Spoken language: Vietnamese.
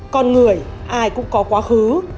con người ai cũng có quá khứ